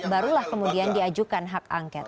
barulah kemudian diajukan hak angket